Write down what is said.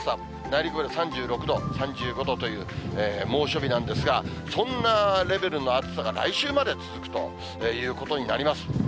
内陸部で３６度、３５度という猛暑日なんですが、そんなレベルの暑さが来週まで続くということになります。